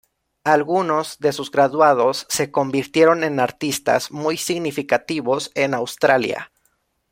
Algunos de sus graduados se convirtieron en artistas muy significativos en Australia.